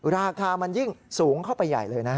ราคามันยิ่งสูงเข้าไปใหญ่เลยนะฮะ